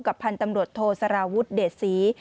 กับพันตำรวจโทสารวุฒิเดชี